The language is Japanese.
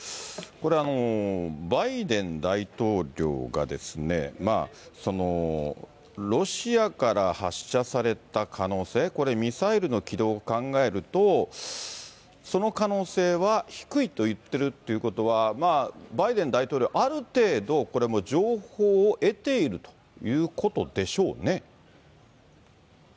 これ、バイデン大統領が、ロシアから発射された可能性、これ、ミサイルの軌道を考えると、その可能性は低いと言ってるということは、バイデン大統領はある程度、これ、情報を得ているということでしょうね。